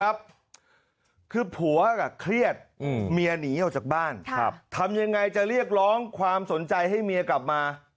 คือผัวเครียดเมียหนีออกจากบ้านทำยังไงจะเรียกร้องความสนใจให้เมียกลับมา